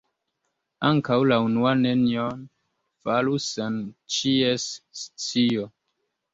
Ankaŭ la unua nenion faru sen ĉies scio.